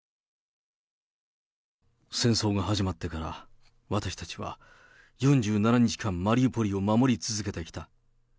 戦争が始まってから、私たちは４７日間、マリウポリを守り続けてきた。